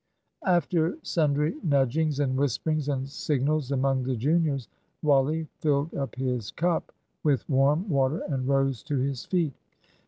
After sundry nudgings and whisperings and signals among the juniors, Wally filled up his cup with warm water and rose to his feet.